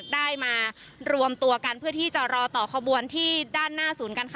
ได้มารวมตัวกันเพื่อที่จะรอต่อขบวนที่ด้านหน้าศูนย์การค้า